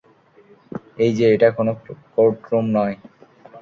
এই যে, এটা কোনো কোর্টরুম নয়!